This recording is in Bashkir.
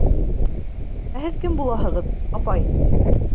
Ә һеҙ кем булаһығыҙ, апай?